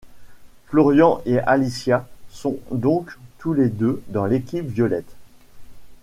Florian et Alycia sont donc tous les deux dans l'équipe violette.